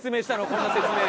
こんな説明。